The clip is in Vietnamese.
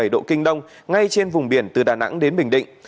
một trăm linh chín bảy độ kinh đông ngay trên vùng biển từ đà nẵng đến bình định